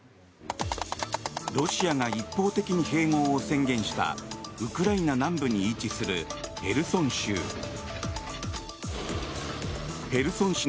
ロシアが一方的に併合を宣言したウクライナ南部に位置するヘルソン州。